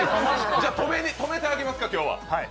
止めてあげますか、今日は？